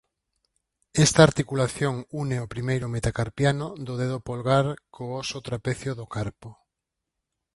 Esta articulación une o primeiro metacarpiano do dedo polgar co óso trapecio do carpo.